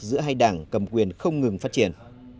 giữa hai đảng cầm quyền không ngừng phát triển